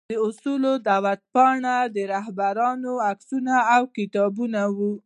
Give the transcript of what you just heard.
د اصول دعوت پاڼې، د رهبرانو عکسونه او کتابونه وو.